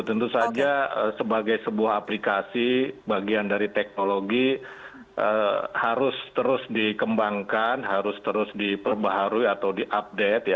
tentu saja sebagai sebuah aplikasi bagian dari teknologi harus terus dikembangkan harus terus diperbaharui atau diupdate